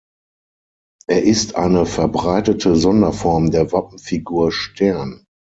Er ist eine verbreitete Sonderform der Wappenfigur Stern.